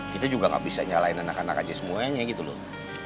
kita juga gak bisa nyalain anak anak aja semuanya gitu loh